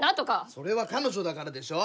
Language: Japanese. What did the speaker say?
それは彼女だからでしょ。